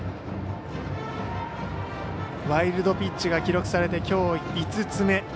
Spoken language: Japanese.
ワイルドピッチが記録されてきょう５つ目。